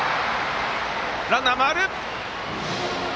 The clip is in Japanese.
ランナー回る！